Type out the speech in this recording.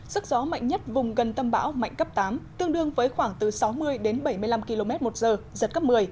sức gió mạnh nhất vùng gần tâm bão mạnh cấp tám tương đương với khoảng từ sáu mươi đến bảy mươi năm km một giờ giật cấp một mươi